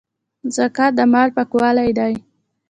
زکات د مال پاکوالی دی